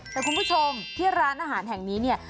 แต่คุณผู้ชมที่ร้านอาหารแห่งนี้เนี่ย